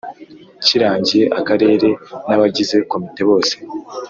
kirangiye Akarere n abagize Komite bose